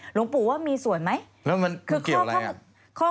หลวงปู่ว่ามีส่วนไหมคือข้อข้องใจของลูกศิษย์ไม่ใช่ว่าแล้วมันเกี่ยวอะไร